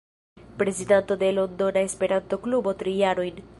Prezidanto de Londona Esperanto-Klubo tri jarojn.